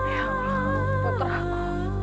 ya allah putraku